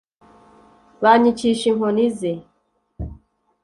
banyicisha inkoni ze